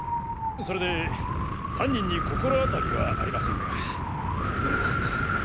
それで犯人にこころあたりはありませんか？